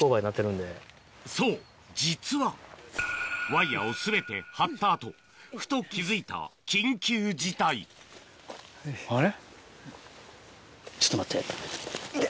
そう実はワイヤを全て張った後ふと気付いた緊急事態これ。